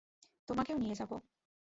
তোমাকেও নিয়ে যাবো।